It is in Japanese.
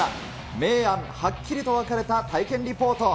明暗はっきりと分かれた体験リポート。